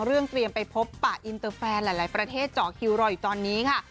เตรียมไปพบปะอินเตอร์แฟนหลายประเทศเจาะคิวรออยู่ตอนนี้ค่ะ